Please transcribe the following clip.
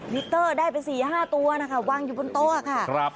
มิเตอร์ได้ไป๔๕ตัวนะคะวางอยู่บนโต๊ะค่ะ